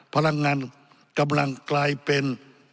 พลังงานกำลังกลายเป็น